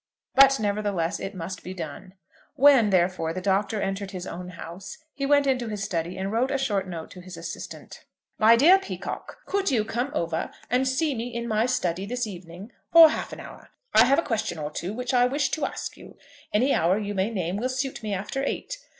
But nevertheless it must be done. When, therefore, the Doctor entered his own house, he went into his study and wrote a short note to his assistant; "MY DEAR PEACOCKE, Could you come over and see me in my study this evening for half an hour? I have a question or two which I wish to ask you. Any hour you may name will suit me after eight.